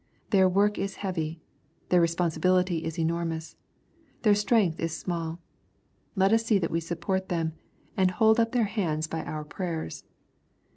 Their work is heavy. Their responsibility is enormous. Their strength is small. Let us see that we support them, and hold up their hands by our prayers.